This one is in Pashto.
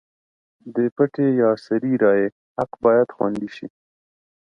د پټې یا سري رایې حق باید خوندي شي.